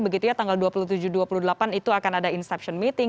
begitu ya tanggal dua puluh tujuh dua puluh delapan itu akan ada instruction meeting